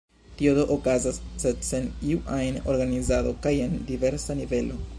Tio do okazas, sed sen iu ajn organizado kaj en diversa nivelo.